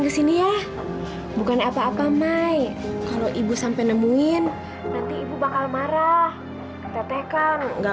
kesini ya bukan apa apa mai kalau ibu sampai nemuin nanti ibu bakal marah tetekkan enggak